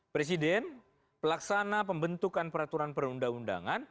presiden pelaksana pembentukan peraturan perundang undangan